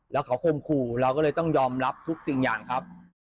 แล้วเขาคมขู่เราก็เลยต้องยอมรับทุกสิ่งอย่างครับ